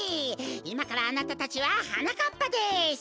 いまからあなたたちははなかっぱです！